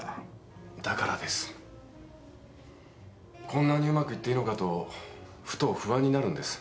こんなにうまくいっていいのかとふと不安になるんです。